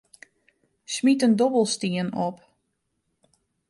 Smyt in dobbelstien op.